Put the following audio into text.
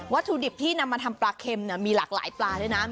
ถุดิบที่นำมาทำปลาเค็มมีหลากหลายปลาด้วยนะ